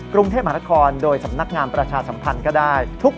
กรุงเทพมหาละครโดยสำนักงานประชาสำคัญก็ได้ทุก